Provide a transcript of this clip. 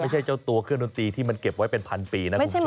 เจ้าตัวเครื่องดนตรีที่มันเก็บไว้เป็นพันปีนะคุณผู้ชม